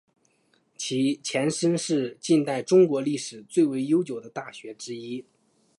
其前身是近代中国历史最为悠久的大学之一。